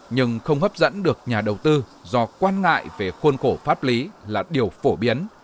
nhưng không hấp dẫn được nhà đầu tư do quan ngại về khuôn khổ pháp lý là điều phổ biến